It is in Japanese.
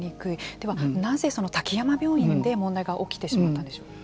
ではなぜ滝山病院で問題が起きてしまったんでしょうか。